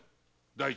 第一